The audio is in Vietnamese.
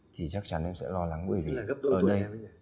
thì chắc chắn em sẽ lo lắng bởi vì ở đây